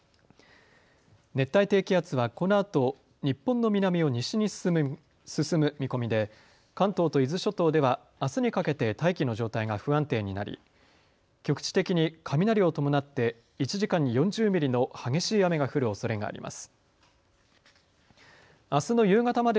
熱帯低気圧はこのあと日本の南を西に進む見込みで関東と伊豆諸島ではあすにかけて大気の状態が不安定になり局地的に雷を伴って１時間に４０ミリの激しい雨が降るおそれがあります。